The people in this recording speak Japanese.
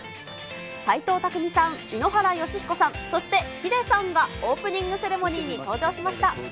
斎藤工さん、井ノ原快彦さん、そしてヒデさんがオープニングセレモニーに登場